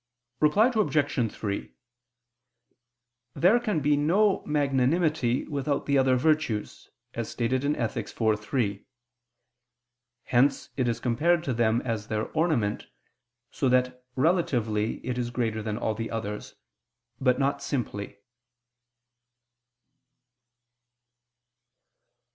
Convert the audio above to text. Reply Obj. 3: There can be no magnanimity without the other virtues, as stated in Ethic. iv, 3. Hence it is compared to them as their ornament, so that relatively it is greater than all the others, but not simply.